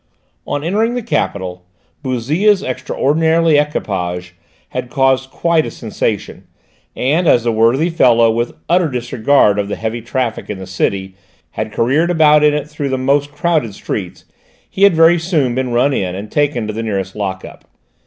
On entering the capital, Bouzille's extraordinary equipage had caused quite a sensation, and as the worthy fellow, with utter disregard of the heavy traffic in the city, had careered about in it through the most crowded streets, he had very soon been run in and taken to the nearest lock up.